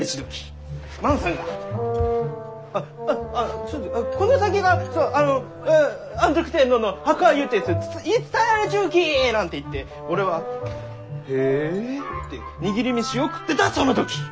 万さんが「ああああこの先がそのあのあ安徳天皇の墓ゆうて言い伝えられちゅうき！」なんて言って俺は「へえ」って握り飯を食ってたその時！